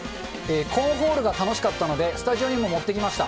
コーンホールが楽しかったので、スタジオにも持ってきました。